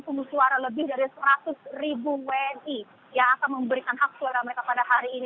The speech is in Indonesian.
kemudian ada juga yang berada di mana ada sepuluh suara lebih dari seratus wni yang akan memberikan hak suara mereka pada hari ini